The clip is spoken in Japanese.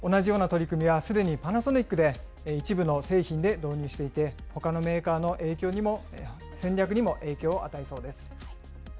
同じような取り組みは、すでにパナソニックで、一部の製品で導入していて、ほかのメーカーの戦略にも影響を与えそうです。